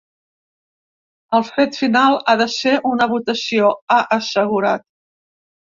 El fet final ha de ser una votació, ha assegurat.